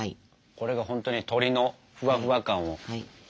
これがほんとに鳥のふわふわ感を。